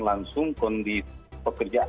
langsung kondisi pekerjaan